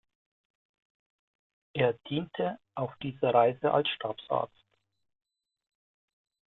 Er diente auf dieser Reise als Stabsarzt.